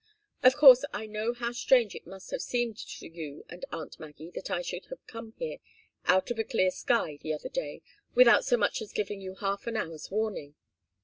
Of course I know how strange it must have seemed to you and aunt Maggie that I should have come here, out of a clear sky, the other day, without so much as giving you half an hour's warning.